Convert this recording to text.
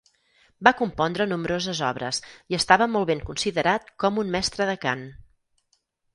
Va compondre nombroses obres i estava molt ben considerat com un mestre de cant.